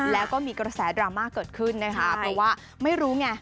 แล้วก็มีกระแสดราม่าเกิดขึ้นนะคะเพราะว่าไม่รู้ไง